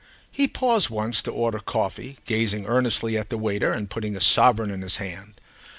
He paused once to order coffee, gazing earnestly at the waiter and putting a sovereign in his hand.